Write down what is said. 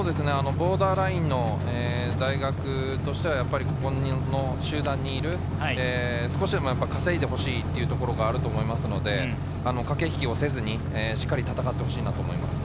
ボーダーラインの大学としては、この集団にいて少しでも稼いでほしいということがありますので、駆け引きをせずに、しっかり戦ってほしいと思います。